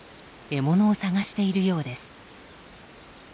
獲物を探しているようです。